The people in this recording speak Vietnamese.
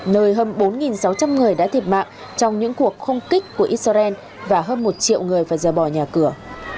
nơi hơn bốn sáu trăm linh người đã thiệt mạng trong những cuộc không kích của israel và hơn một triệu người phải rời bỏ nhà cửa